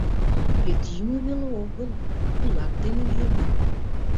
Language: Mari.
Вет йӱмӧ веле огыл — кулак дене йӱынам.